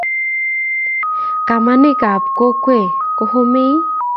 kamanik ab kokwee kohomei